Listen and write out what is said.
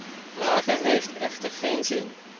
Klagen heeft echter geen zin.